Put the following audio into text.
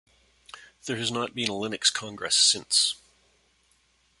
There has not been a Linux Kongress since.